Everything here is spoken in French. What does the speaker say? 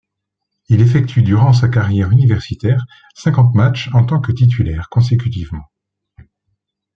Il effectue durant sa carrière universitaire, cinquante matchs en tant que titulaire consécutivement.